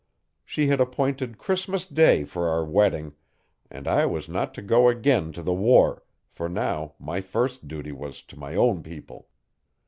She had appointed Christmas Day for our wedding and I was not to go again to the war, for now my first duty was to my own people.